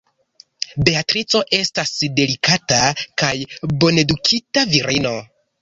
Beatrico estas delikata kaj bonedukita virino.